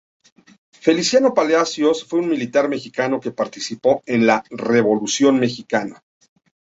Feliciano Palacios fue un militar mexicano que participó en la Revolución mexicana.